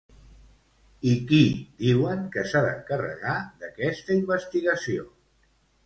I qui diuen que s'ha d'encarregar d'aquesta investigació?